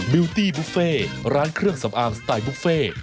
วิวตี้บุฟเฟ่ร้านเครื่องสำอางสไตล์บุฟเฟ่